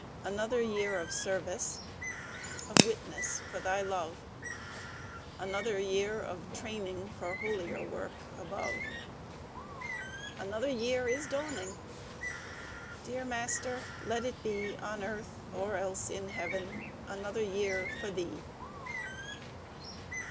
Another year of service, Of witness for Thy love; Another year of training For holier work above. Another year is dawning! Dear Master, let it be On earth, or else in heaven, Another year for Thee!